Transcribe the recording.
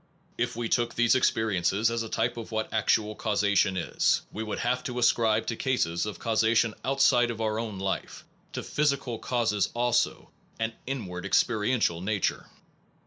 If we took these experiences as the type of what actual causation is, we should have to as cribe to cases of causation outside of our own life, to physical cases also, an inwardly experi ential nature.